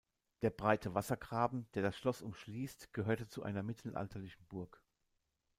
Der breite Wassergraben, der das Schloss umschließt, gehörte zu einer mittelalterlichen Burg.